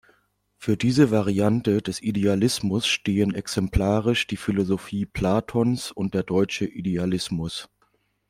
Für diese Variante des Idealismus stehen exemplarisch die Philosophie Platons und der Deutsche Idealismus.